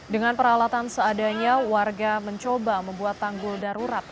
dengan peralatan seadanya warga mencoba membuat tanggul darurat